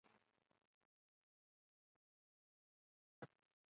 另外也有传说砂丘是一夕之间从麻豆区大山脚吹来的。